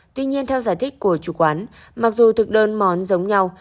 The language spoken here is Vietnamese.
tuy nhiên theo giải thích của chủ quán mặc dù thực đơn món giống nhau